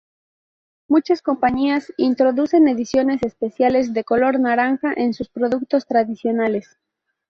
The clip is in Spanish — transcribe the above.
Muchas compañías introducen ediciones especiales de color naranja en sus productos tradicionales.